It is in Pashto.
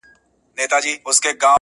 لا لرګي پر کوناټو پر اوږو خورمه!!